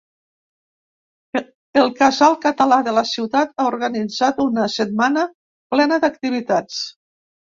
El casal català de la ciutat ha organitzat una setmana plena d’activitats.